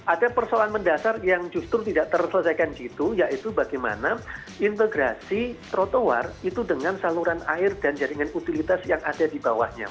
ada persoalan mendasar yang justru tidak terselesaikan gitu yaitu bagaimana integrasi trotoar itu dengan saluran air dan jaringan utilitas yang ada di bawahnya